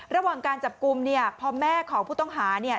ระหว่างการจับกลุ่มเนี่ยพอแม่ของผู้ต้องหาเนี่ย